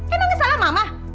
emangnya salah mama